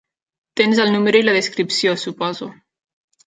Tens el número i la descripció, suposo.